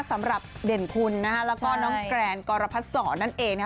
สำหรับเด่นคุณนะฮะแล้วก็น้องแกรนกรพัดศรนั่นเองนะฮะ